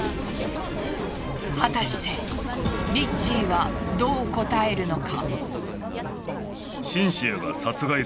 果たしてリッチーはどう答えるのか？